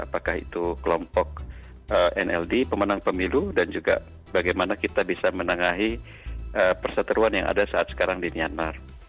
apakah itu kelompok nld pemenang pemilu dan juga bagaimana kita bisa menengahi perseteruan yang ada saat sekarang di myanmar